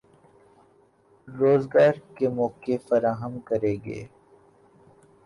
روزگار کے مواقع فراہم کرے گی